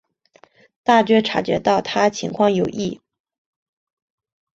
大家察觉到她状况有异